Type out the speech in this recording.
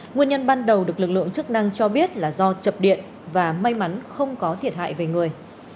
nguyên nhân ban đầu được lực lượng chức năng cho biết là do chập điện và may mắn không có thiệt hại về người